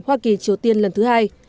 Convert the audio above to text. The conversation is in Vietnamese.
hoa kỳ triều tiên lần thứ hai